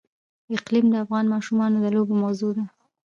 اقلیم د افغان ماشومانو د لوبو موضوع ده.